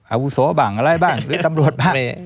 อาวุโสบ้างอะไรบ้างหรือตำรวจบ้าง